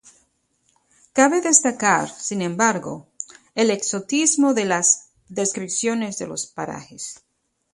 Cabe destacar, sin embargo, el exotismo de las descripciones de los parajes.